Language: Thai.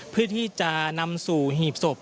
เพื่อที่จะนำสู่หีบศพ